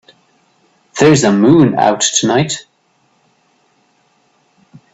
There's a moon out tonight.